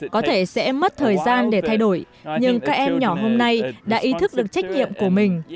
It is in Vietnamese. có thể sẽ mất thời gian để thay đổi nhưng các em nhỏ hôm nay đã ý thức được trách nhiệm của mình